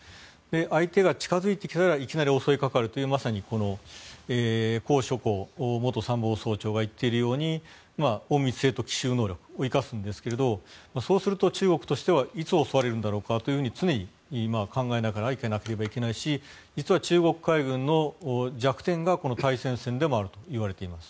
相手が近付いてきたらいきなり襲いかかるというまさにコウ・ショコウ元参謀総長が言っているように隠密性と奇襲能力を生かすんですがそうすると、中国としてはいつ襲われるんだろうと常に考えながら行かなければいけないし実は中国海軍の弱点がこの対潜戦でもあるといわれています。